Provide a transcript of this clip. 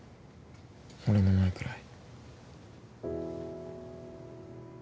俺の前くらい。